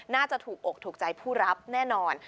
น่าจะถูกอกถูกใจผู้รับแน่นอน